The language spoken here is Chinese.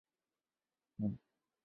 金丸信等职。